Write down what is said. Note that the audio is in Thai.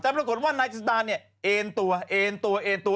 แต่ปรากฏว่านายจิตาเนี่ยเอ็นตัวเอ็นตัวเอ็นตัว